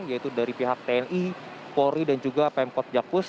yaitu dari pihak tni polri dan juga pmkot jakus